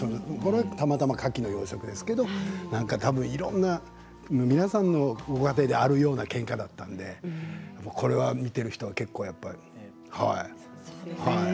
たまたまカキの養殖ですけどたぶんいろいろな皆さんの家庭であるようなけんかだったので、見ている人は結構、はい。